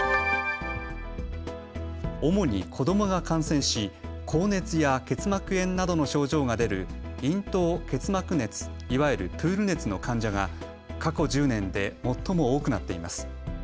主に子どもが感染し高熱や結膜炎などの症状が出る咽頭結膜熱、いわゆるプール熱の患者が過去１０年で最も多くなっています。